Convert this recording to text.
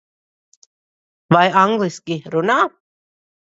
Vai angliski runā?